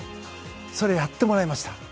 それをやってもらいました。